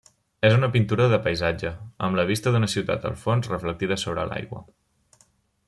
És una pintura de paisatge, amb la vista d'una ciutat al fons reflectida sobre l'aigua.